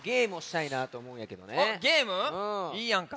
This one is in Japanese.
いいやんか。